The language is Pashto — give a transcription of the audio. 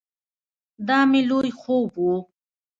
دا مې لوی خوب ؤ